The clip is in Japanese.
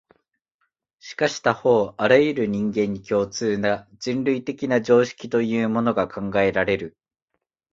しかし他方、あらゆる人間に共通な、人類的な常識というものが考えられる。